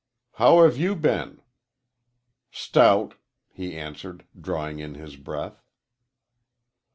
"How have you been?" "Stout," he answered, drawing in his breath.